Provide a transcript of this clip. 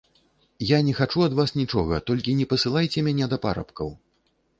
Я не хачу ад вас нічога, толькі не пасылайце мяне да парабкаў.